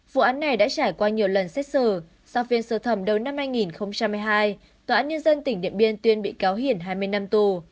vụ án này đã trải qua nhiều lần xét xử sau phiên sơ thẩm đầu năm hai nghìn hai mươi hai tòa án nhân dân tỉnh điện biên tuyên bị cáo hiển hai mươi năm tù